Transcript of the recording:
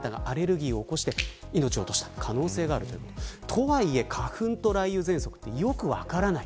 とはいえ、花粉と雷雨ぜんそくってよく分からない。